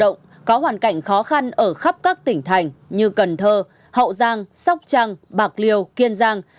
người lao động có hoàn cảnh khó khăn ở khắp các tỉnh thành như cần thơ hậu giang sóc trăng bạc liêu kiên giang